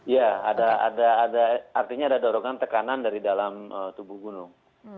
ya artinya ada dorongan tekanan dari dalam tubuh gunung